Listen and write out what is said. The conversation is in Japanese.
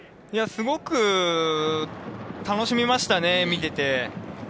すごく楽しみましたね、見てて。